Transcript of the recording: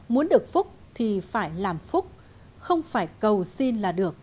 muốn được phúc thì phải làm phúc không phải cầu xin là được